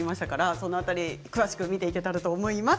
その辺りを詳しく見ていけたらと思います。